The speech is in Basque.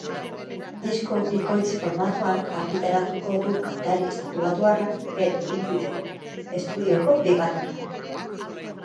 Disko bikoitz formatuan argitaratuko du kantari estatubatuarrak bere ibilbideko estudioko bigarren lana.